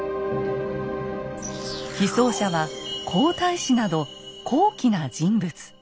被葬者は皇太子など高貴な人物。